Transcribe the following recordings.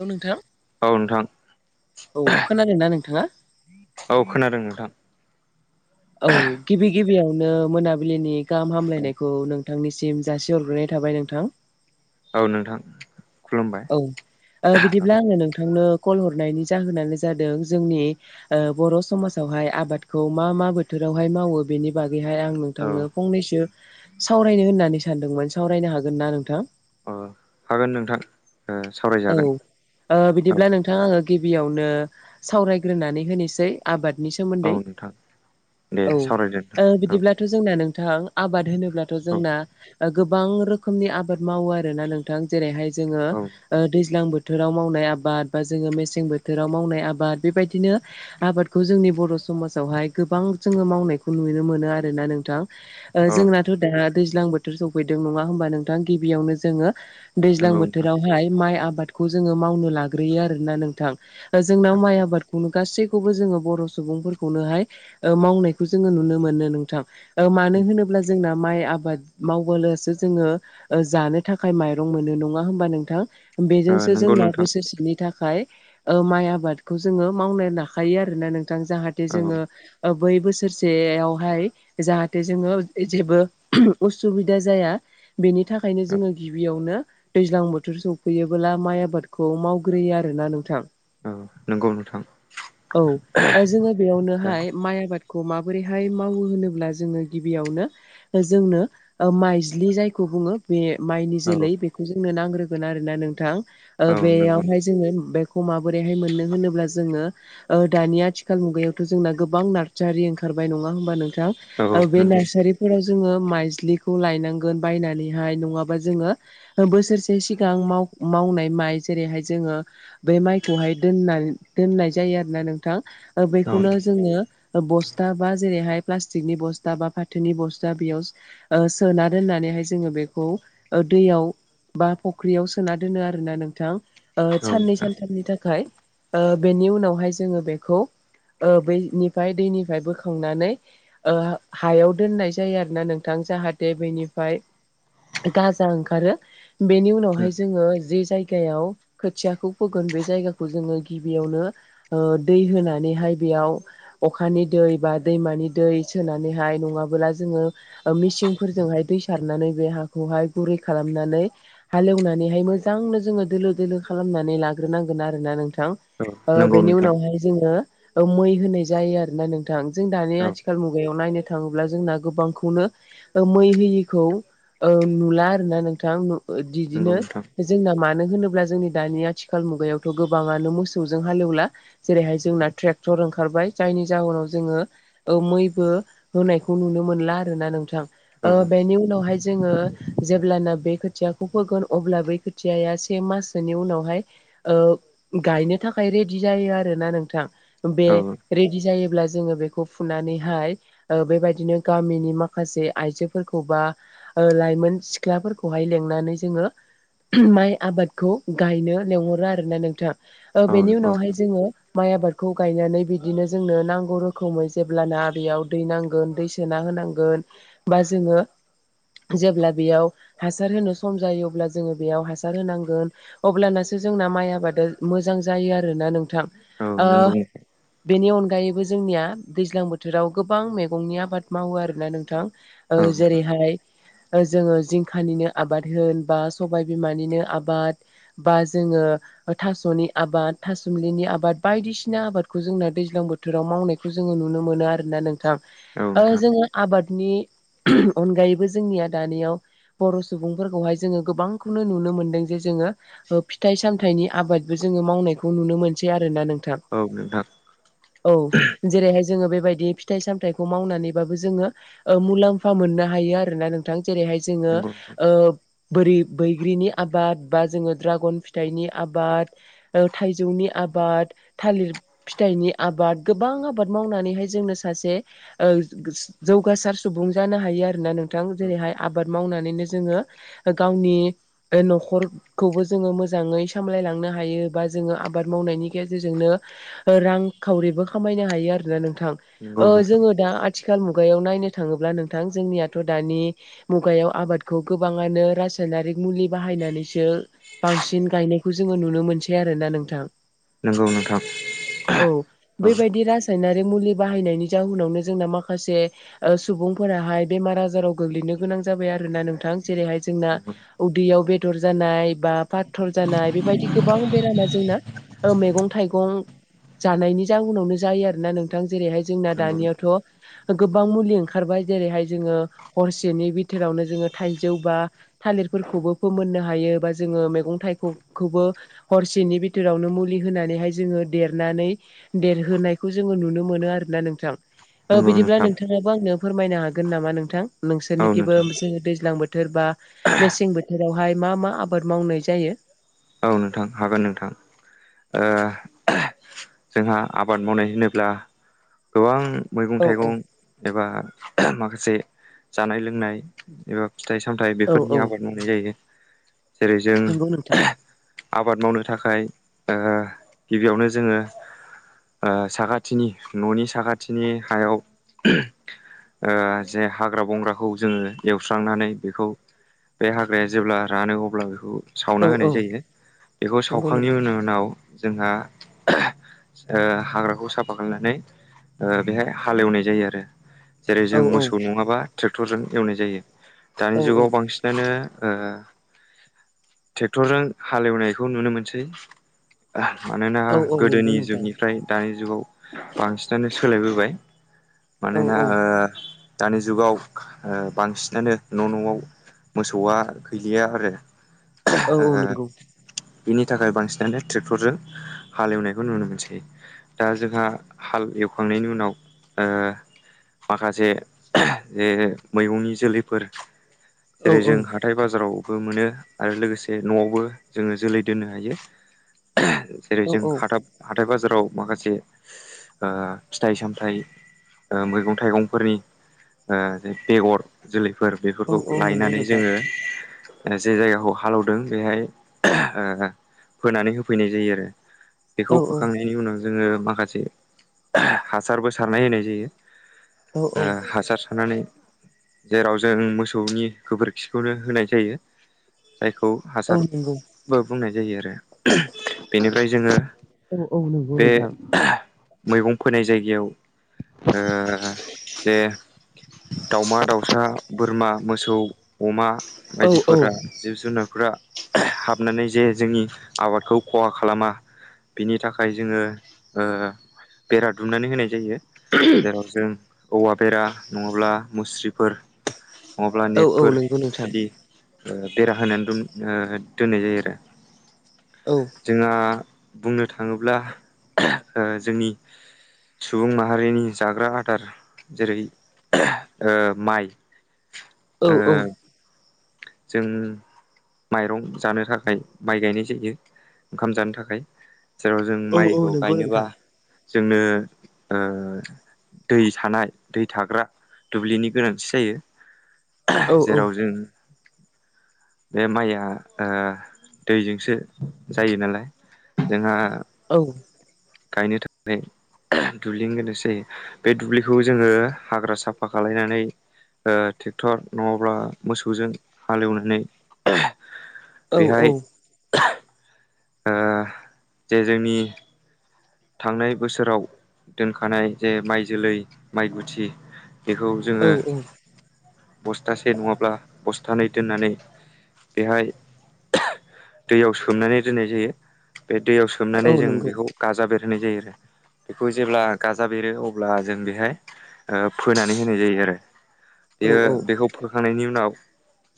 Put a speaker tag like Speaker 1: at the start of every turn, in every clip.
Speaker 1: औ नोंथां
Speaker 2: औ नोंथां
Speaker 1: औ खोनादों ना नोंथाङा?
Speaker 2: औ खोनादों नोंथां
Speaker 1: औ गिबि गिबियावनो मोनाबिलिनि गाहाम हामलायनायखौ नोंथांनिसिम जासिहरग्रोनाय थाबाय नोंथां।
Speaker 2: औ नोंथां खुलुमबाय
Speaker 1: औ ओ बिदिब्ला आङो नोंथांनो कल हरनायनि जाहोनानो जादों जोंनि ओ बर' समाजावहाय आबादखौ मा मा बोथोर बोथोरावहाय मावो बेनि बागैहाय आं
Speaker 2: औ
Speaker 1: नोंथांनो फंनैसो सावरायनो होननानै सानदोंमोन सावरायनो हागोन ना नोंथां?
Speaker 2: औ हागोन नोंथां ओ
Speaker 1: औ
Speaker 2: सावरायजागोन
Speaker 1: ओ
Speaker 2: औ
Speaker 1: बिदिब्ला नोंथा आंङो गिबियावनो सावरायग्रोनानै होनोसै आबादनि
Speaker 2: औ
Speaker 1: सोमोन्दै।
Speaker 2: नोंथां दे
Speaker 1: औ
Speaker 2: सावरायदो
Speaker 1: ओ
Speaker 2: नोंथां
Speaker 1: बिदिब्लाथ' जोंना नों थां आबाद होनोब्लाथ'
Speaker 2: औ
Speaker 1: जोंना गोबां रोखोमनि आबाद मावो आरोना नोंथां जेरैहाय जोङो
Speaker 2: औ
Speaker 1: ओ दैज्लां बो थोराव मावनाय आबाद बा जोङो मेसें बोथोराव मावनाय आबाद बेबायदिनो आबादखौ जोंनि बर' समाजावहाय गोबां जोङो मावनायखौ नुनो मोनो आरोना नोंथां ओ
Speaker 2: औ
Speaker 1: जोंनाथ' दा दैज्लां बोथोर सौफैदों नङा होमबा नोंथां गिबियावनो जोङो दैज्लां
Speaker 2: नंगौ नोंथां
Speaker 1: बोथोरावहाय माइ आ बादखौ जोङो मावनो लाग्रोयो आरोना नोंथां जोंनाव
Speaker 2: औ
Speaker 1: माइ आबाद उम गासैखौबो जोङो बर' सुबुंफोरखौनोहाय ओ मावनायखौ जोङो नुनो मोनो नोंथां। ओ मानो होनोब्ला जोंना माइ आबाद मावबोलासो जोङो जानो थाखाय माइरं मोनो नङा होमबा नोंथां?
Speaker 2: ओ
Speaker 1: बेजोंसो
Speaker 2: नंगौ
Speaker 1: जोंना
Speaker 2: नोंथां
Speaker 1: बोसोरसेनि था खाय ओ माइ आबादखौ जोङो मावनो लाखायो आरोना नोंथां जाहाथे
Speaker 2: औ औ
Speaker 1: जोङो बै बोसोरसेयावहाय जाहाथे जोङो जेबो उसुबिदा जाया। बेनि थाखायनो जोङो गिबियावनो दैज्लां बोथोर सफैयोबोला माइ आबादखौ मावग्रोयो आरोना नोंथां।
Speaker 2: औ नंगौ नोंथां
Speaker 1: औ ओ जोङो
Speaker 2: औ
Speaker 1: बेयावनोहाय माइ आबादखौ माबोरैहाय मावो होनोब्ला जोङो गिबियावनो जोंनो ओ माइज्लि जाय खौ बुङो बे माइनि जोलै
Speaker 2: औ
Speaker 1: बेखौ जोंनो नांग्रोगोन आरोना नोंथां ओ
Speaker 2: नंगौ
Speaker 1: बेयावहाय जोङो बे खौ माबोरैहाय मोननो होनोब्ला जोङो ओ दानि आथिखाल मुगायावथ' जोंना गो बां नारसारि ओंखारबाय नङा होमबा नोंथां ओ
Speaker 2: औ
Speaker 1: बे
Speaker 2: नंगौ
Speaker 1: नारसारिफोराव जोङो माइज्लिखौ लायनांगोन बायनानैहाय नङाबा जोङो बोसोरसे सिगां माव मावनाय माइ जेरैहाय जोङो बे माइखौहाय दोनना दोननाय जायो आरोना नोंथां। ओ
Speaker 2: औ
Speaker 1: बेखौनो जोङो बस्था बा जेरैहाय प्लास्टिकनि बस्था बा फाथोनि बस्था बेयाव ओ सोना दोनना नानैहाय जोङो बेखौ ओ दैयाव बा फुख्रियाव सोना दोनो आरोना नोंथां। ओ
Speaker 2: औ
Speaker 1: साननै सानथामनि थाखाय। ओ बेनि उनावहाय जोङो बेखौ ओ बैनि फ्राय दैनिफ्राय बोखांनानै ओ हायाव दोननाय जायो आरोना नोंथां जाहाथे बेनि फाय गाजा ओंखारो बेनि उनावहाय जोङो जि जायगायाव खोथियाखौ फोगोन बे जायगाखौ जोङो गिबियावनो ओ दै होनानैहाय बेयाव अखानि दै बा दैमानि दै सोनानैहाय नङाबोला जोङो ओ मिसिनफोरजोंहाय दै सारनानै बे हाखौहाय गुरै खालामनानै हालेवनानैहाय मोजांनो जोङो दोलो दोलो खालाम नानै लाग्रोनांगोन आरो ना नों थां ओ
Speaker 2: नंगौ
Speaker 1: बेनि
Speaker 2: नोंथां
Speaker 1: उनावहाय जोङो मै होनाय जायो आरोना नोंथां। जों दानि
Speaker 2: औ
Speaker 1: आथिखाल मुगायाव नायनो थाङोब्ला जोंना गोबांखौनो ओ मै होयिखौ ओ नुला आरोना नोंथां।
Speaker 2: नंगौ
Speaker 1: बिदिनो
Speaker 2: नोंथां
Speaker 1: जोंना मानो होनो ब्ला जोंनि दानि आथिखाल मुगायावथ' गोबाङानो मोसौजों हालेवला जेरैहाय जोंना ट्रेक्टर ओंखारबाय। जायनि जाहोनाव जोङो मैबो होनायखौ नुनो मोनला आरोना नोंथां। ओ
Speaker 2: औ
Speaker 1: बेनि उनावहाय जोङो जेब्लाना बे खोथियाखौ फोगोन अब्ला बै खोथियाया से माससोनि उनावहाय ओ गायनो थाखाय रेडि जायो आरोना नोंथां बे
Speaker 2: औ
Speaker 1: रेडि जायोब्ला जोङो बेखौ फुनानैहाय बेबायदिनो गामिनि माखासे आइजोफोरखौ बा लाइमोन सिख्लाफोरखौहाय लिंनानै जोङो माइ आबादखौ गायनो लेंहरो आरो ना नोंथां ओ
Speaker 2: औ
Speaker 1: बेनि
Speaker 2: नंगौ
Speaker 1: उनावहाय जोङो माइ आबादखौ गायनानै बिदिनो जोंनो नांगौ रोखोमै जेब्लाना बेयाव दै नांगोन दै सोना होनांगोन बा जोङो जेब्ला बेयाव हासार होनो सम जायो अब्ला जोङो बेयाव हासार होनांगोन अब्लानो जोंना माइ आबाद मोजां जायो आरोना नोंथां
Speaker 2: औ
Speaker 1: ओ
Speaker 2: नंगौ
Speaker 1: बेनि अनगायैबो जोंनिया दैज्लां बोथोराव गोबां मैगंनि आबाद मावो आरोना नोंथां ओ
Speaker 2: औ
Speaker 1: जेरैहाय जोङो जिंखानिनो आबाद होन बा सबाय बिमानिनो आबाद बा जोङो थासनि आबाद था सुमलिनि आबाद बायदिसिना आबाद जोंना दैज्लां बोथोराव मावनायखौ जोङो नुनो मोनो आरोना नोंथां
Speaker 2: औ
Speaker 1: ओ
Speaker 2: नोंथां
Speaker 1: जोङो आबाद नि अनगायैबो जोंनिया दानियाव बर सुबुंफोरखौहाय जोङो गोबांखौनो नुनो मोनदों जे जोङो फिथाइ सामथाइनि आबादबो जोङो मावनायखौ नुनो मोनसै आरोना नों
Speaker 2: औ नोंथां
Speaker 1: औ जेरैहाय जोङो बेबायदि फिथाइ सामथाइखौ मावनानैबाबो जोङो मुलाम्फा मोननो हायो आरोना नोंथां जेरैहाय जोङो
Speaker 2: नंगौ नोंथां
Speaker 1: ओ बोरै बैग्रिनि आबाद बा जोङो द्रागन फिथाइनि आबाद थाइजौनि आबाद थालिर फिथाइनि आबाद गोबां आबाद मावनानैहाय जोंनो सासे जौगासार सुबुं बुंजानो हायो आरोना नोंथां
Speaker 2: औ
Speaker 1: जेरैहाय आबाद मावनानैनो जोङो गावनि नखरखौबो जोङो मोजाङै सामलायलांनो हायो बा जोङो आबाद मावनायनि गेजेरजोंनो रांखावरिबो खामायनो हायो आरोना नोंथां
Speaker 2: नंगौ
Speaker 1: ओ
Speaker 2: नोंथां
Speaker 1: जोङो दा आथिखाल मुगायाव नायनो थाङोब्ला नोंथां जोंनियाथ दानि मुगायाव आबादखौ गोबाङानो राज नारिख मुलि बाहायनानैसो बांसिन गायनायखौ जोङो नुनो मोनसै आरो ना नोंथां
Speaker 2: नोंगौ नोंथां
Speaker 1: औ
Speaker 2: औ
Speaker 1: बेबायदि रासायनारि मुलि बाहायनायनि जाहनावनो जोंना माखासे सुबुंफोराहाय बेमार आजाराव गोग्लैनो गोनां जाबाय आरो ना नोंथां जेरैहाय जों
Speaker 2: नंगौ
Speaker 1: उदैयाव बेदर जानाय बा फाथर जानाय बेबायदि गोबां बेरामा जोंना मैगं थाइगं जानायनि जाहनावनो जायो आरोना नोंथां जेरैहाय जोंना
Speaker 2: नंगौ
Speaker 1: दानियावथ
Speaker 2: नोंथां
Speaker 1: गोबां मुलि ओंखारबाय जेरैहाय जोङो हरसेनि बिथोरावनो जोङो थाइजौ बा थालिर बो फोमोननो हायो जोङो मै थाइगंखौबो हरसेनि बिथोरावनो मुलि होनानै बेहाय जोङो देरनानै देरहोनायखौ जोङो नुनो मोनो आरोना नोंथां औ
Speaker 2: नंगौ
Speaker 1: बिदिब्ला
Speaker 2: नोंथां
Speaker 1: नोंथाङाबो आंनो फोरमायनो हागोन नामा नोंथां
Speaker 2: औ
Speaker 1: नोंसोरनिखिबो
Speaker 2: नोंथां
Speaker 1: जोङो दैज्लां बोथोर बा मेसें बोथोरावहाय मा मा आबाद मावनाय जायो
Speaker 2: औ नोंथां हागोन नोंथां ओ जोंहा आबाद मावनाय होनोब्ला गोबां मैगं
Speaker 1: औ औ
Speaker 2: थाइगं एबा माखासे जानाय लोंनाय एबा फिथाइ सामथाइ
Speaker 1: औ औ
Speaker 2: बेफोरनि आबाद मावनाय जायो जेरै जों
Speaker 1: नंगौ नोंथां
Speaker 2: आबाद मावनो थाखाय ओ गिबियावनो जोङो। ओ साखाथिनि न'नि साखाथिनि हायाव ओ जे हाग्रा बंग्राखौ जोङो एवस्रांनानै बेखौ बे हाग्राया जेब्ला रानो अब्ला बेखौ
Speaker 1: औ
Speaker 2: सावना होनाय
Speaker 1: औ
Speaker 2: जायो। बेखौ
Speaker 1: नंगौ नंगौ
Speaker 2: सावखांनिनि उनाव जोंहा ओ हाग्राखौ साफा खालायनानै बेहाय हालेवनाय जायो आरो। जेरै
Speaker 1: औ
Speaker 2: जों मोसौ नङाबा ट्रेक्टरजों एवनाय जायो, दानि
Speaker 1: औ
Speaker 2: जुगाव बांसिनानो ओ टेक्टरजों हालेवनायखौ नुनो मोनसै। मानोना
Speaker 1: औ औ नंगौ
Speaker 2: गोदोनि
Speaker 1: नोंथां
Speaker 2: जुगनिफ्राय दानि जुगाव बांसिनानो सोलायबोबाय।
Speaker 1: औ
Speaker 2: मानोना
Speaker 1: औ
Speaker 2: ओ दानि जुगाव ओ बांसिनानो न' न'आव मोसौआ गैलिया आरो।
Speaker 1: औ औ नोंगौ।
Speaker 2: बेनि थाखाय बांसिनानो ट्रेक्टरजों हाल एवनायखौ नुनो मोनसै। दा जोंहा हाल एव खांनायनि उनाव ओ माखासे जे मैगंनि जोलैफोर
Speaker 1: औ
Speaker 2: जेरै
Speaker 1: औ
Speaker 2: जों हाथाय बाजारावबो मोनो आरो लोगोसे न'आवबो जोङो जोलै दोननो हायो जेरै
Speaker 1: औ
Speaker 2: जों हाथाब थाइ बाजाराव माखासे ओ फिथाइ सामथाय ओ मैगं थाइगंफोरनि ओ बेगर जोलै फोर
Speaker 1: औ
Speaker 2: बेफोरखौ
Speaker 1: औ नंगौ
Speaker 2: लायनानै
Speaker 1: नोंथां
Speaker 2: जोङो माने जे जायगाखौ हालौदों बेहाय ओ फोनानै होफैनाय जायो आरो। बेखौ
Speaker 1: औ
Speaker 2: फोखांनायनि उनाव जोङो माखासे हासारबो सारनाय होनाय जायो।
Speaker 1: औ
Speaker 2: ओ
Speaker 1: औ
Speaker 2: हासार सारनानै जेराव जों मोसौनि गोबोरखिखौनो होनाय जायो जायखौ
Speaker 1: औ नंगौ
Speaker 2: हासारबो बुंनाय जायो आरो। बेनिफ्राय जोङो
Speaker 1: औ औ नंगौ
Speaker 2: बे
Speaker 1: नोंथां
Speaker 2: मैगं फोनाय जायगायाव ओ जे दाउमा दाउसा, बोरमा, मोसौ, अमा
Speaker 1: औ औ।
Speaker 2: जुनारफ्रा हाबनानै जे जोंनि आबादखौ खहा खालामा बिनि थाखाय जोङो ओ बेरा दुमनानै होनाय जायो। बेयाव जों औवा बेरा नङाब्ला मुस्रिफोर नङाब्ला
Speaker 1: औ
Speaker 2: नेटफोर
Speaker 1: नंगौ नोंथां
Speaker 2: बिदि ओ बेरा होनानै दोन ओ दोननाय जायो आरो।
Speaker 1: औ
Speaker 2: जोंहा बुंनो थाङोब्ला ओ जोंनि सुबुं माहारिनि जाग्रा आदार जेरै ओ माइ
Speaker 1: औ
Speaker 2: ओ
Speaker 1: औ।
Speaker 2: जों माइरं जानो थाखाय माइ गायनाय जायो, ओंखाम जानो थाखाय जेराव जों
Speaker 1: औ
Speaker 2: माइखौ
Speaker 1: नंगौ नोंथां
Speaker 2: गायनोबा जोंनो ओ दै थानाय दै थाग्रा दुब्लिनि गोनांथि जायो
Speaker 1: औ नंगौ औ
Speaker 2: जेराव जों
Speaker 1: [inaudible]
Speaker 2: बे माइया ओ दैजोंसो जायो नालाय। जोंहा
Speaker 1: औ।
Speaker 2: गायनो थाखाय दुब्लिनि गोनांथि जायो। बे दुब्लिखौ जोङो हाग्रा साफा खालायनानै ओ ट्रेक्टर नङाब्ला मोसौजों हालेवनानै
Speaker 1: औ
Speaker 2: बेहाय
Speaker 1: औ।
Speaker 2: ओ जे जोंनि थांनाय बोसोराव दोनखानाय जे माइ जोलै माइ गुथि बेखौ जोङो बस्थासे नङाब्ला बस्थानै दोननानै बेहाय दैयाव सोमनानै दोननाय जायो। बे दैयाव सोमनानै जों बेखौ गाजा बेर होनाय जायो आरो। बेखौ जेब्ला गाजा बेरो अब्ला जों बेहाय ओ फोनानै होनाय जायो आरो। बियो बेखौ फोखांनायनि उनाव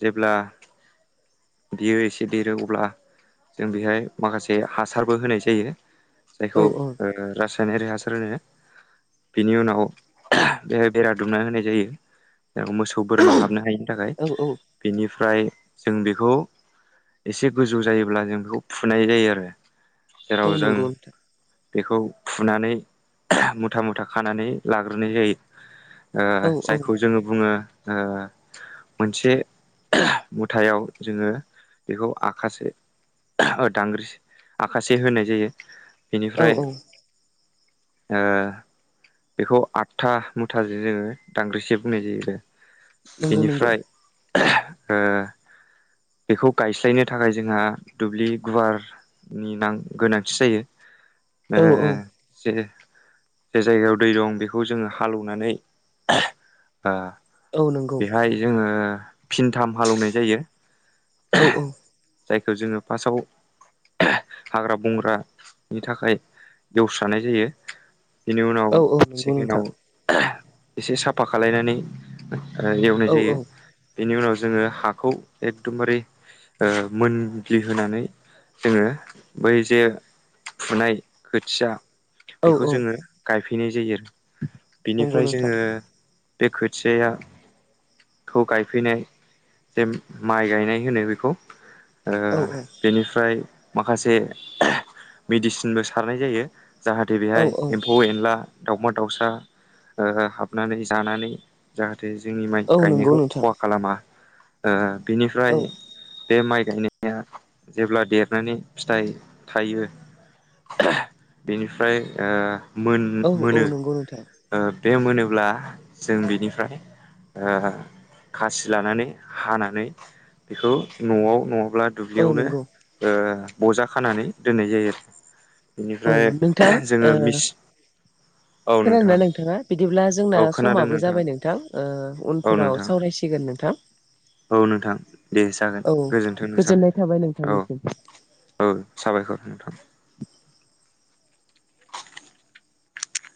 Speaker 2: जेब्ला बियो एसे देरो अब्ला जों बेहाय माखासे हासारबो होनाय जायो। जायखौ ओ रा सायनारि हासार होनो। बिनि उनाव बेहाय बेरा दुमना होनाय जायो। मोसौ-बोरमा हाबनो हायिनि थाखाय बेनि फ्राय जों बेखौ एसे गोजौ जायोब्ला जों बेखौ फुनाय जायो आरो। जेराव
Speaker 1: औ
Speaker 2: जों
Speaker 1: नोंगौ नोंथां।
Speaker 2: बेखौ फुनानै मुथा-मुथा खानानै लाग्रोनाय जायो। ओ
Speaker 1: औ औ
Speaker 2: जायखौ जोङो बुङो ओ मोनसे मुथायाव जोङो बेखौ आखासे दांग्रि आखासे होनाय जायो
Speaker 1: औ
Speaker 2: बेनिफ्राय ओ बेखौ आदथा मुथाजों जोङो दांग्रिसे बुंनाय जायो आरो।
Speaker 1: नोंगौ नोंगौ
Speaker 2: बेनिफ्राय ओ बेखौ गायस्लायनो थाखाय जोंहा दुब्लि गुवार नि नां-गोनांथि जायो ओ
Speaker 1: औ औ
Speaker 2: जे-जे जायगायाव दै दं बेखौ जोङो हालौवनानै ओ
Speaker 1: औ नंगौ
Speaker 2: बेहाय जोङो फिनथाम हालौवनाय जायो।
Speaker 1: औ औ
Speaker 2: जायखौ जोङो फासआव हाग्रा-बंग्रानि थाखाय एवस्रानाय जायो। बिनि उनाव
Speaker 1: औ नंगौ
Speaker 2: सेकेण्डआव
Speaker 1: नोंथां
Speaker 2: एसे साफा खालायनानै ओ एवनाय
Speaker 1: औ औ
Speaker 2: जायो बेनि उनाव जोङो हाखौ एगदमबारे ओ मोनग्लि होनानै जोङो बै जे फुनाय खोथिया
Speaker 1: औ
Speaker 2: बेखौ जोङो गायफैनाय जायो आरो
Speaker 1: नंगौ
Speaker 2: बिनिफ्राय
Speaker 1: नोंथां
Speaker 2: जोङो बे खोथियाया खौ गायफैनाय जे माइ गायनाय होनो बेखौ। ओ
Speaker 1: औ औ
Speaker 2: बेनिफ्राय माखासे मेडिसिनबो सारनाय जायो। जाहाथे
Speaker 1: औ
Speaker 2: बेहाय
Speaker 1: औ
Speaker 2: एम्फौ-एनला दाावमा-दाउसा ओ हाबनानै जानानै जाहा थे जोंनि माइ
Speaker 1: औ नंगौ
Speaker 2: गायनायखौ
Speaker 1: नोंथां
Speaker 2: खहा खालामा ओ
Speaker 1: औ
Speaker 2: बेनिफ्राय बे माइ गायनाया जेब्ला देरनानै फिथाइ थायो बेनिफ्राय ओ मोन
Speaker 1: औ औ
Speaker 2: मोनो
Speaker 1: नोंगौ नोंथां।
Speaker 2: ओ बे मोनोब्ला जों बेनिफ्राय। ओ खासि लानानै हानानै बेखौ न'आव न'आव नङाब्ला
Speaker 1: औ
Speaker 2: दुब्लियावनो
Speaker 1: नंगौ
Speaker 2: ओ बजा खानानै दोननाय जायो आरो
Speaker 1: औ
Speaker 2: बेनिफ्राय
Speaker 1: नोंथां ओ
Speaker 2: जोङो मिस औ
Speaker 1: [inaudible] खोनादोंना
Speaker 2: नोंथां
Speaker 1: नोंथाङा? बिदिब्ला
Speaker 2: औ
Speaker 1: जोंना
Speaker 2: खोनादों
Speaker 1: समाबो जाबाय नोंथां ओ
Speaker 2: औ
Speaker 1: उनफोराव
Speaker 2: नोंथां
Speaker 1: सावरायसिगोन नोंथां।
Speaker 2: औ नोंथां दे जागोन
Speaker 1: औ
Speaker 2: गोजोनथों नोंथां
Speaker 1: गोजोननाय थाबाय
Speaker 2: औ।
Speaker 1: नोंथांनिसिम
Speaker 2: औ साबायखर नोंथां।